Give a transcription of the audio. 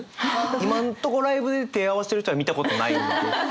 今んところライブで手を合わせてる人は見たことないので。